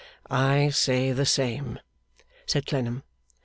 'I say the same,' said Clennam.